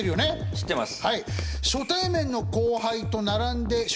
知ってます。